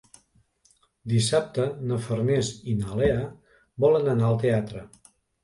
Dissabte na Farners i na Lea volen anar al teatre.